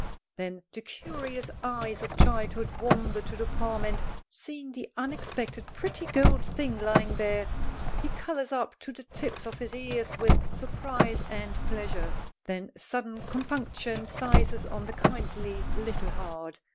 Then the curious eyes of childhood wander to the palm, and, seeing the unexpected pretty gold thing lying there, he colors up to the tips of his ears with surprise and pleasure. Then sudden compunction seizes on the kindly little heart.